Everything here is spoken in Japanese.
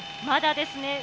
まだですね。